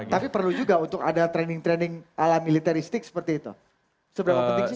tapi perlu juga untuk ada training training ala militaristik seperti itu seberapa penting sih